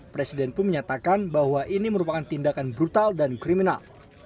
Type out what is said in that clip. presiden pun menyatakan bahwa ini merupakan tindakan brutal dan kriminal